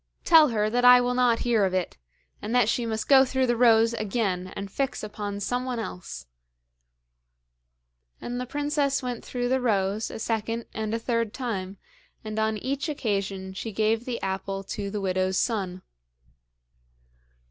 Tell her that I will not hear of it, and that she must go through the rows again and fix upon someone else'; and the princess went through the rows a second and a third time, and on each occasion she gave the apple to the widow's son.